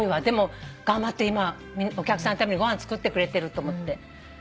でも頑張って今お客さんのためにご飯作ってくれてると思って。